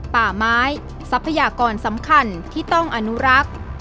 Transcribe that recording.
ป่าไม้ทรัพยากรสำคัญที่ต้องอนุรักษ์